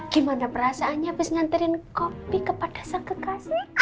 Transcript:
gimana perasaannya abis nganterin kopi kepada sang kekasih